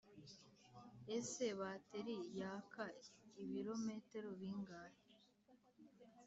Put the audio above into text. ese bateri yaka ibirometero bingahe